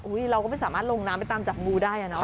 เราก็ไม่สามารถลงน้ำไปตามจับงูได้อะเนาะ